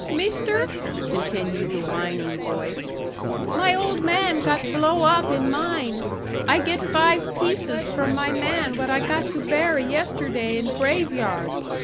"Mister," continued the whining voice, "my old man got blow up in mine. I get five pieces from my man what I got to bury yesterday in grave yard.